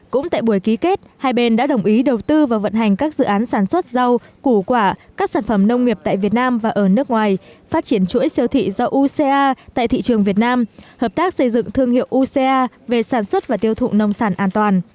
cũng tại buổi ký kết hai bên đã đồng ý đầu tư vào vận hành các dự án sản xuất rau củ quả các sản phẩm nông nghiệp tại việt nam và ở nước ngoài phát triển chuỗi siêu thị do uca tại thị trường việt nam hợp tác xây dựng thương hiệu uca về sản xuất và tiêu thụ nông sản an toàn